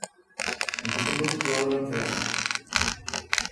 Ní thuigim lucht labhartha an Bhéarla